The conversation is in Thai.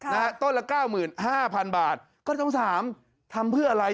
นะฮะต้นละเก้าหมื่นห้าพันบาทก็ต้องถามทำเพื่ออะไร